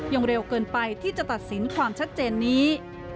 เร็วเกินไปที่จะตัดสินความชัดเจนนี้